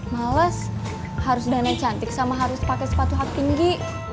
males harus dana cantik sama harus pakai sepatu hak tinggi